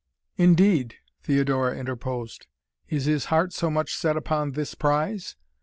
"Indeed," Theodora interposed. "Is his heart so much set upon this prize?